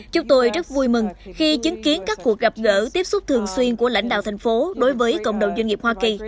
chúng tôi rất vui mừng khi chứng kiến các cuộc gặp gỡ tiếp xúc thường xuyên của lãnh đạo thành phố đối với cộng đồng doanh nghiệp hoa kỳ